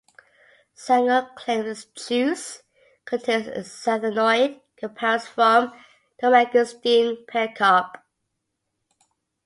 Xango claims its juice contains xanthonoid compounds from the mangosteen pericarp.